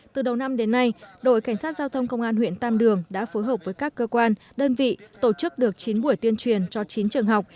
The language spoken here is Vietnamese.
từ đầu năm đến nay đội cảnh sát giao thông công an huyện tam đường đã phối hợp với các cơ quan đơn vị tổ chức được chín buổi tuyên truyền cho chín trường học